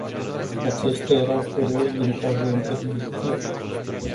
Aceștia erau furioși din cauza interdicției.